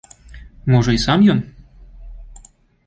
Можа, і сам ён?